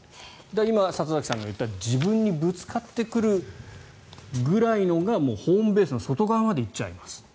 今、里崎さんが言ったように自分にぶつかってくるぐらいのがホームベースの外側まで行っちゃいます。